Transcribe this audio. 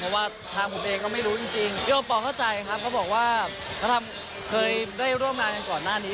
เพราะว่าทางผมเองก็ไม่รู้จริงพี่โอปอลเข้าใจครับเขาบอกว่าเขาทำเคยได้ร่วมงานกันก่อนหน้านี้